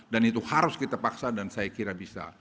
dan itu harus kita paksa dan saya kira bisa